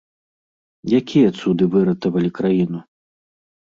Якія цуды выратавалі краіну?